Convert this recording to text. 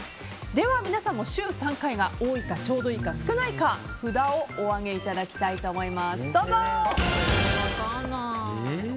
では皆さんも週３回が多いかちょうどいいか少ないか札をお上げいただきたいと思います。